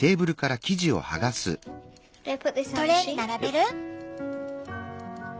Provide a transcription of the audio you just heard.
トレーに並べる？